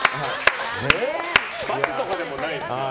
×とかでもないですよね。